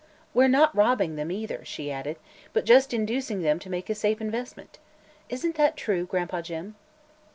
We're not robbing them, either," she added, "but just inducing them to make a safe investment. Isn't that true, Gran'pa Jim?"